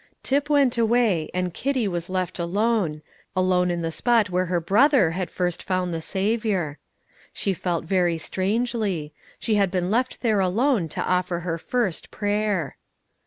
Tip went away, and Kitty was left alone, alone in the spot where her brother had first found the Saviour. She felt very strangely; she had been left there alone to offer her first prayer.